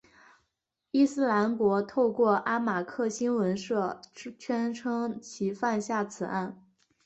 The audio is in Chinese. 伊斯兰国透过阿马克新闻社宣称其犯下此案。